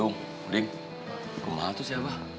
neng kemana tuh si abah